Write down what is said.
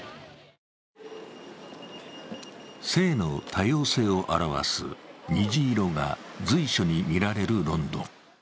性の多様性を表す虹色が随所に見られるロンドン。